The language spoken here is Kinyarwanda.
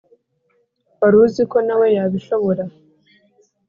wari uziko nawe yabishora